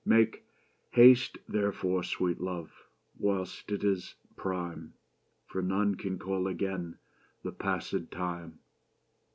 Make haste, therefore, sweet love, whilst it is prime; For none can call again the passed time.